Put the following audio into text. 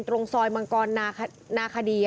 ตรงซอยมังกรนาคดี